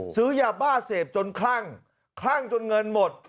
ซื้อยาบ้าเสพจนคลั่งคลั่งจนเงินหมด